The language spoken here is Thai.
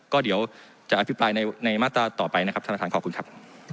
ก็เดี๋ยวจะอภิปรายในมาตราต่อไปนะครับท่านประธานขอบคุณครับ